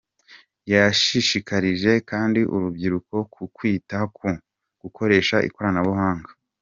Yashishikarije kandi urubyiruko ku kwita ku gukoresha ikoranabuhanga.